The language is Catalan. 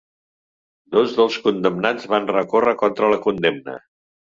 Dos dels condemnats van recórrer contra la condemna.